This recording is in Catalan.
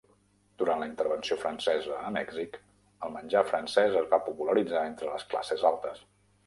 Durant la intervenció francesa a Mèxic, el menjar francès es va popularitzar entre les classes altes.